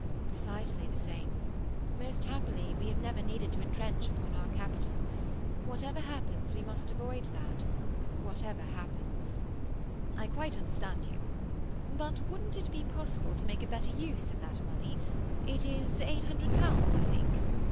"Precisely the same. Most happily, we have never needed to entrench upon our capital. Whatever happens, we must avoid that—whatever happens!" "I quite understand you. But wouldn't it be possible to make a better use of that money? It is eight hundred pounds, I think?